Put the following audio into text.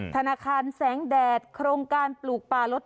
ธนาคารแสงแดดโครงการปลูกป่าลด